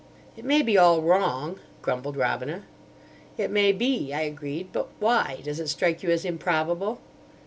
'" "It may be all wrong," grumbled Robina. "It may be," I agreed. "But why? Does it strike you as improbable?"